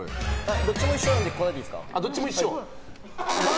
どっちも一緒なので答えていいですか。